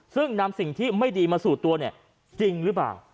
ซึ่งนำสิ่งที่ไม่ดีมาสู่ตัวเนี่ยจริงหรือเปล่า